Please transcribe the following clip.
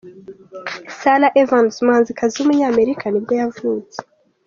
Sara Evans, umuhanzikazi w’umunyamerika nibwo yavutse.